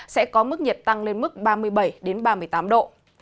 sẽ có mức nhiệt tăng lên mức ba mươi bảy ba mươi tám độ